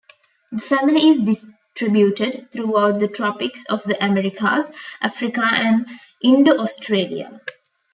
The family is distributed throughout the tropics of the Americas, Africa and Indo-Australia.